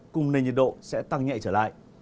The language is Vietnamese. cùng nền nhiệt độ sẽ tăng nhẹ trở lại